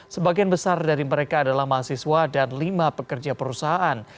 sebagian besar dari mereka adalah mahasiswa dan lima pekerja perusahaan